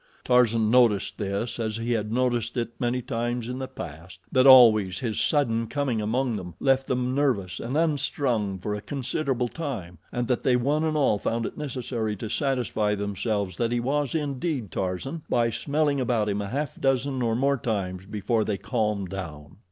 Tarzan noticed this as he had noticed it many times in the past that always his sudden coming among them left them nervous and unstrung for a considerable time, and that they one and all found it necessary to satisfy themselves that he was indeed Tarzan by smelling about him a half dozen or more times before they calmed down.